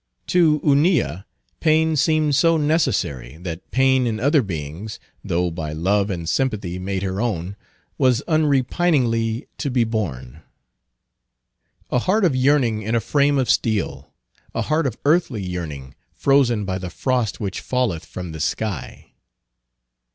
To Hunilla, pain seemed so necessary, that pain in other beings, though by love and sympathy made her own, was unrepiningly to be borne. A heart of yearning in a frame of steel. A heart of earthly yearning, frozen by the frost which falleth from the sky.